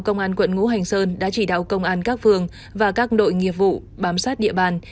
công an quận ngũ hành sơn đã chỉ đạo công an các phường và các đội nghiệp vụ bám sát địa bàn